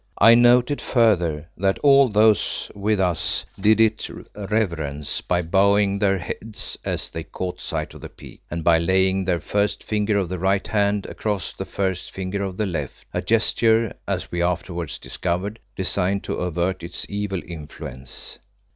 I noted further that all those with us did it reverence by bowing their heads as they caught sight of the peak, and by laying the first finger of the right hand across the first finger of the left, a gesture, as we afterwards discovered, designed to avert its evil influence.